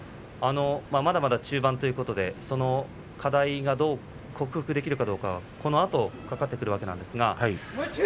まだまだ中盤ということでその課題がどう克服できるかどうかこのあとにかかってくると思います。